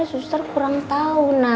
suster kurang tau